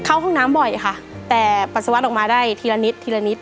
เข้าห้องน้ำบ่อยค่ะแต่ปัสสาวะออกมาได้ทีละนิดทีละนิด